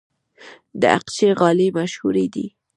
د اقچې غالۍ مشهورې دي